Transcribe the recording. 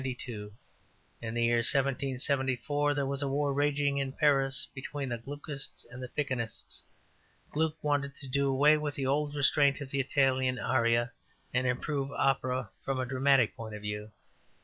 In the year 1774 there was war raging in Paris between the Gluckists and Piccinists. Gluck wanted to do away with the old restraint of the Italian aria, and improve opera from a dramatic point of view.